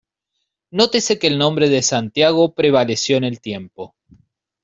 Nótese que el nombre de Santiago prevaleció en el tiempo.